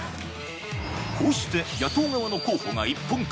こうして、野党側の候補が一本化。